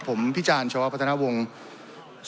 ผมพี่จานชาวปัฒนาวงศ์